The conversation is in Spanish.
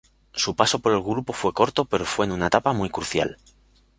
Su paso por el grupo fue corto pero fue en una etapa muy crucial.